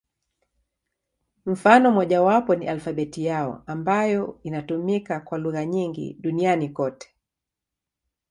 Mfano mmojawapo ni alfabeti yao, ambayo inatumika kwa lugha nyingi duniani kote.